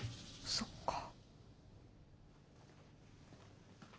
そっか。